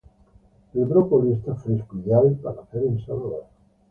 El brócoli está fresco. Ideal para hacer ensaladas.